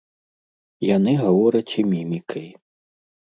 Яны гавораць і мімікай.